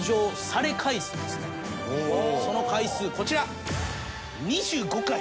その回数こちら。